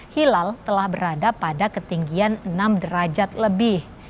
hilal telah berada pada ketinggian enam derajat lebih